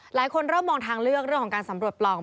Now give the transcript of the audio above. หลายคนเริ่มมองทางเลือกเรื่องของการสำรวจปล่อง